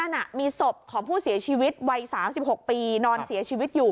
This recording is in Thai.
นั่นมีศพของผู้เสียชีวิตวัย๓๖ปีนอนเสียชีวิตอยู่